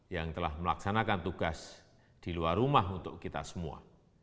yang telah melaksanakan tugas di luar rumah untuk kita semua